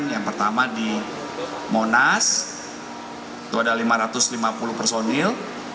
yang pertama di monas itu ada lima ratus lima puluh personil